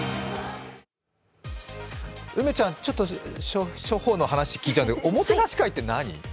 梅ちゃん、初歩の話聞いちゃうけど、おもてなし会って何？